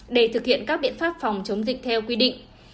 để thực hiện các biện pháp phòng chống dịch theo quy định